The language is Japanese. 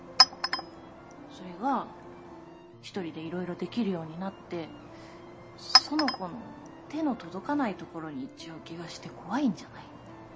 それが一人で色々できるようになって苑子の手の届かないところに行っちゃう気がして怖いんじゃない？